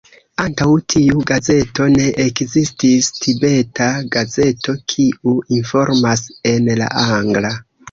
Antaŭ tiu gazeto, ne ekzistis Tibeta gazeto kiu informas en la angla.